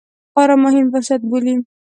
خورا مهم فرصت بولي